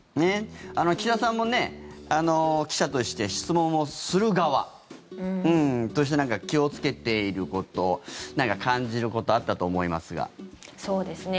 岸田さんも記者として質問をする側として何か気をつけていること何か感じることそうですね。